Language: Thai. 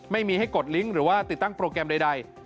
ไม่มีให้กดลิงก์หรือว่าติดตั้งโปรแกรมใด